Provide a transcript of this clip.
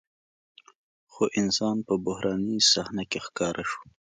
خو انسان په بحراني صحنه کې ښکاره شو.